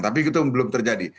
tapi itu belum terjadi